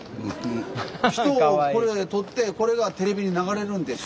人をこれ撮ってこれがテレビに流れるんです。